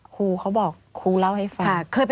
ครูเขาบอกครูเล่าให้ฟัง